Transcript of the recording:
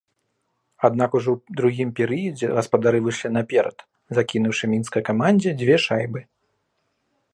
Аднак ужо ў другім перыядзе гаспадары выйшлі наперад, закінуўшы мінскай камандзе дзве шайбы.